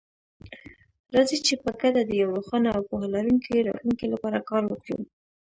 راځئ چې په ګډه د یو روښانه او پوهه لرونکي راتلونکي لپاره کار وکړو.